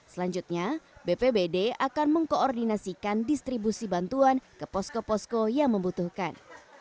selanjutnya bpbd akan mengkoordinasikan distribusi bantuan ke posko posko yang membutuhkan